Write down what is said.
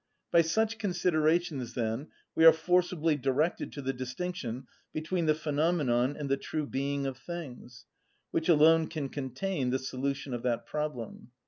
By such considerations, then, we are forcibly directed to the distinction between the phenomenon and the true being of things, which alone can contain the solution of that problem.